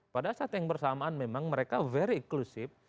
pada saat yang bersamaan memang mereka very inclusive